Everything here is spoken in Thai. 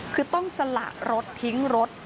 คือต้องสละรถทิ้งรถ